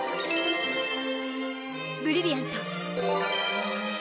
ブリリアント！